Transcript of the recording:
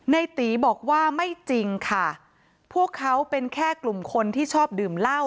ในตีบอกว่าไม่จริงค่ะพวกเขาเป็นแค่กลุ่มคนที่ชอบดื่มเหล้า